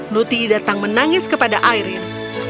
nuti datang menangis kepada airin